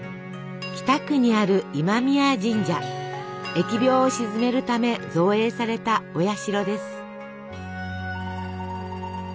疫病を鎮めるため造営されたお社です。